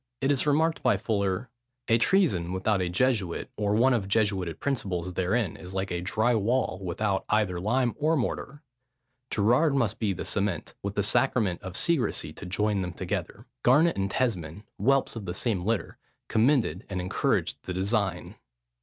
It is remarked by Fuller, "A treason without a Jesuit, or one of Jesuited principles, therein, is like a drie wall, without either lime or mortar; Gerard must be the cement, with the sacrament of secrecie to join them together: Garnet and Tesmond, (whelps of the same litter,) commended and encouraged the designe."